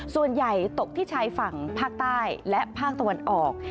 ส่วนใหญ่ตกที่ชายฝั่งภาคใต้และภาคตะวันออก